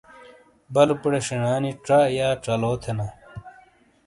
بلُوپیرے شینا نی ژا /ژلو تھینا۔